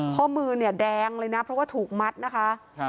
ข้อมือเนี่ยแดงเลยนะเพราะว่าถูกมัดนะคะ